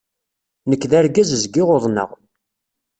Nekk d argaz zgiɣ uḍneɣ.